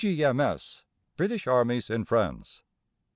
D.G.M.S. British Armies in France.